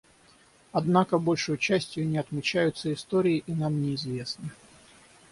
Однако, большею частию, не отмечаются историей и нам неизвестны.